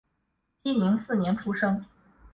熙宁四年出生。